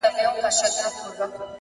هره پوښتنه نوی افق ښکاره کوي!